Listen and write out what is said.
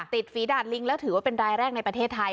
ฝีดาดลิงแล้วถือว่าเป็นรายแรกในประเทศไทย